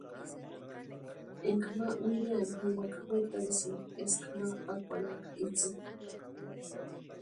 Énka ma wiriani niwaka wetarhisïni eska ma pakwarhiaka itsï.